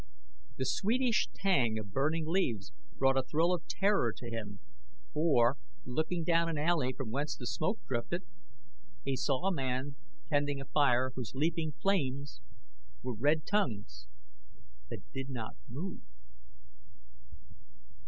The sweetish tang of burning leaves brought a thrill of terror to him; for, looking down an alley from whence the smoke drifted, he saw a man tending a fire whose leaping flames were red tongues that did not move.